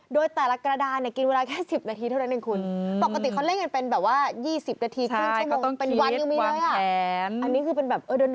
โดยแต่ละกระดาษกินเวลาแค่๑๐นาทีเท่านั้นเองคุณ